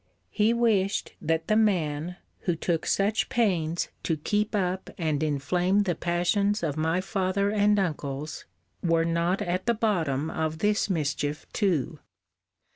He wished that the man, who took such pains to keep up and enflame the passions of my father and uncles, were not at the bottom of this mischief too.